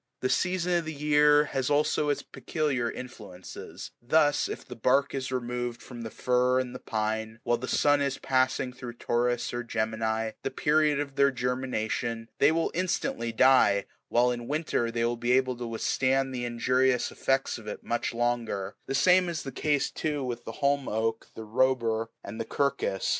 The season of the year has also its peculiar influences ; thus, if the bark is removed from the fir and the pine, while the sun is passing through Taurus or Gemini, the period of their germination, they will instantly die, while in winter they are able to withstand the injurious effects of it much longer : the same is the case, too, with the holm oak, the robur, and the quercus.